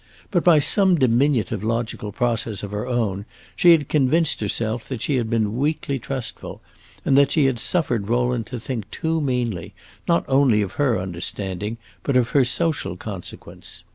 But by some diminutive logical process of her own she had convinced herself that she had been weakly trustful, and that she had suffered Rowland to think too meanly, not only of her understanding, but of her social consequence.